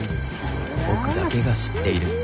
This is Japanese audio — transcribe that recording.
僕だけが知っている。